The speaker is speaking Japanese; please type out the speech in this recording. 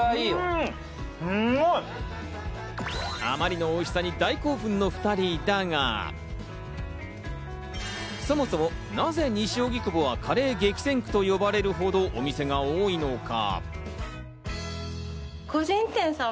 あまりのおいしさに大興奮の２人だが、そもそも、なぜ西荻窪はカレー激戦区と呼ばれるほど、お店が多いのか？